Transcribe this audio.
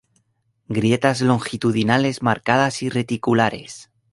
Grietas longitudinales marcadas y reticulares.